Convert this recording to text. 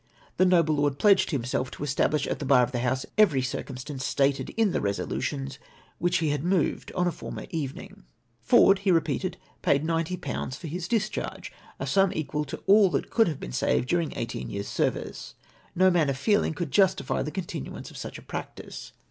The noble lord pledged himself to establish at the bar of the House every circumstance stated in the resolutions which he had moved on a former evening. Ford, he repeated, paid 90/. for his discharge — a sum equal to all that he could have saved during eighteen years' service! No man of feeling could justify the continuance of such a practice.